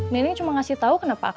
nini cuma ngasih tau kenapa akang marah